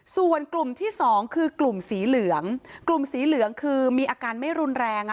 ส่วนกลุ่มที่สองคือกลุ่มสีเหลืองกลุ่มสีเหลืองคือมีอาการไม่รุนแรง